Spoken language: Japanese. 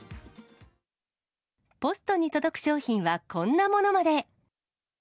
ポストに届く商品はこんなものまで。